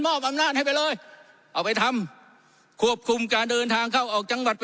อำนาจให้ไปเลยเอาไปทำควบคุมการเดินทางเข้าออกจังหวัด